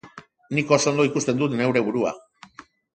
Nik oso ondo ikusten dut neure burua.